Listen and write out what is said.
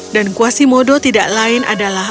dan quasimodo tidak lain adalah